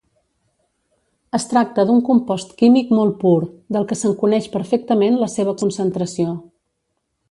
Es tracta d’un compost químic molt pur, del que se'n coneix perfectament la seva concentració.